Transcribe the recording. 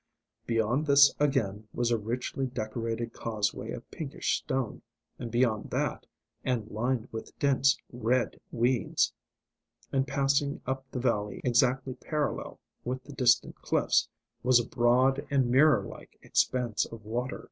Beyond this again was a richly decorated causeway of pinkish stone; and beyond that, and lined with dense red weeds, and passing up the valley exactly parallel with the distant cliffs, was a broad and mirror like expanse of water.